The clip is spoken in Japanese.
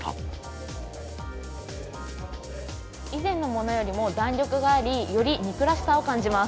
以前のものよりも弾力があり、より肉らしさを感じます。